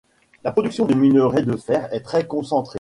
La production de minerai de fer est très concentrée.